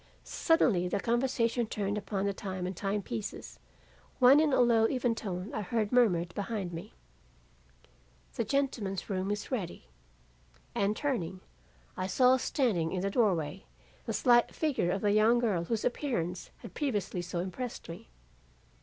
Suddenly the conversation turned upon the time and time pieces, when in a low even tone I heard murmured behind me, "'The gentleman's room is ready;' and turning, I saw standing in the doorway the slight figure of the young girl whose appearance had previously so impressed me.